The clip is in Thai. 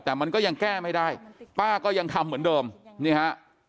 แต่มันก็ยังแก้ไม่ได้ป้าก็ยังทำเหมือนเดิมนี่ฮะ